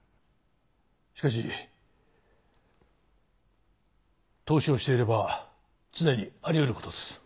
しかし投資をしていれば常にあり得る事です。